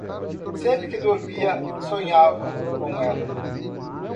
Sempre que dormia, sonhava com ela